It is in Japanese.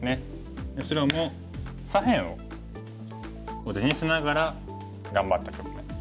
白も左辺を地にしながら頑張った局面。